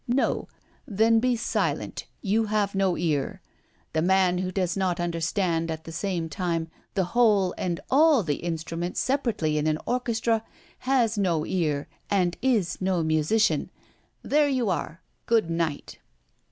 No. Then be silent. You have no ear. The man who does not understand, at the same time, the whole and all the instruments separately in an orchestra has no ear, and is no musician. There you are! Good night!'"